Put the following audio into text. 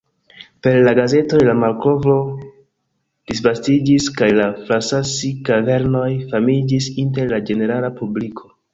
Per la gazetoj la malkovro disvastiĝis kaj la Frasassi-kavernoj famiĝis inter la ĝenerala publiko.